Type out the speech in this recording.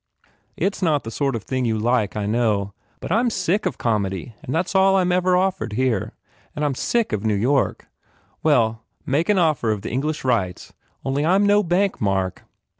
"It s not the sort of thing you like, I know. But I m sick of comedy and that s all I m ever offered, here. And I m sick of New York. Well, make me an offer of the English rights Only I m no bank, Mark."